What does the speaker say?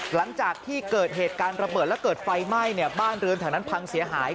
หลังจากที่เกิดเหตุการณ์ระเบิดและเกิดไฟไหม้เนี่ยบ้านเรือนแถวนั้นพังเสียหาย